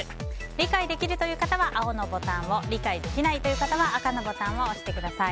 理解できるという方は青のボタンを理解できないという方は赤のボタンを押してください。